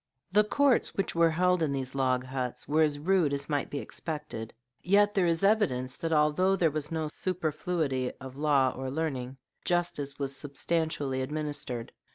] The courts which were held in these log huts were as rude as might be expected; yet there is evidence that although there was no superfluity of law or of learning, justice was substantially administered.